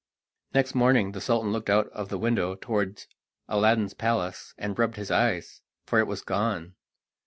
Next morning the Sultan looked out of the window towards Aladdin's palace and rubbed his eyes, for it was gone.